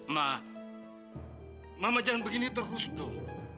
ma mama jangan begini terus dong